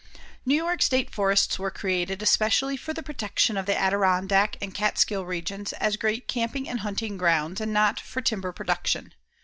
New York state forests were created, especially, for the protection of the Adirondack and Catskill regions as great camping and hunting grounds, and not for timber production.